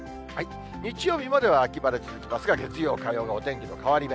日曜日までは秋晴れ続きますが、月曜、火曜がお天気変わり目。